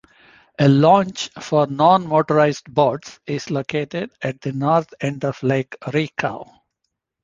A launch for non-motorized boats is located at the north end of Lake Rico.